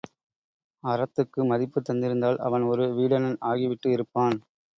அறத்துக்கு மதிப்புத் தந்திருந்தால் அவன் ஒரு வீடணன் ஆகி விட்டு இருப்பான்.